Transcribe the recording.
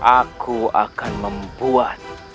aku akan membuat